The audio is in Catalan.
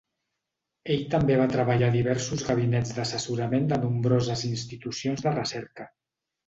Ell també va treballar a diversos gabinets d'assessorament de nombroses institucions de recerca.